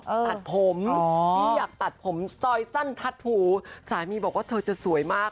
ตัดผมพี่อยากตัดผมซอยสั้นทัดหูสามีบอกว่าเธอจะสวยมาก